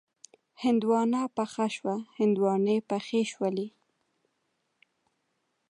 هندواڼه پخه شوه، هندواڼې پخې شولې